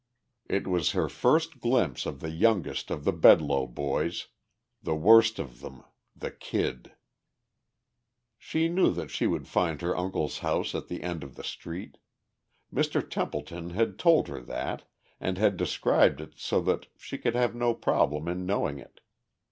It was her first glimpse of the youngest of the Bedloe boys, the worst of them the "Kid." She knew that she would find her uncle's house at the end of the street. Mr. Templeton had told her that, and had described it so that she could have no trouble in knowing it.